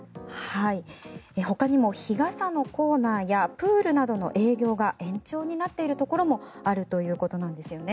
ほかにも日傘のコーナーやプールなどの営業が延長になっているところもあるということなんですよね。